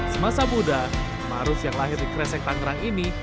semasa muda ma'ruf yang lahir di kresen tangerang ini